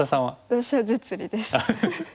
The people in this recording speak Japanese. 私は実利です。